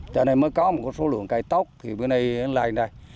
cho nên mới có một số lượng cây tóc thì bữa nay lên đây